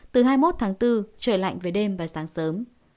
từ hai mươi một tháng bốn trời lạnh về đêm và sáng sớm